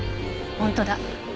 本当だ。